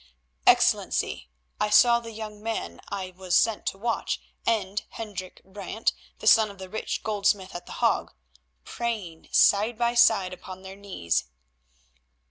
"Excellency, I saw the young man I was sent to watch and Hendrik Brant, the son of the rich goldsmith at The Hague, praying side by side upon their knees."